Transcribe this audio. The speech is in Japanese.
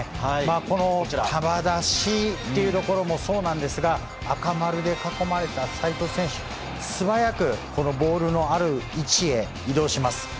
この球出しというところもそうですが赤丸で囲まれた齋藤選手素早くこのボールのある位置へ移動します。